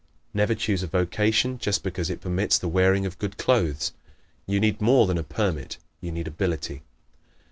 Never choose a vocation just because it permits the wearing of good clothes. You need more than a permit; you need ability.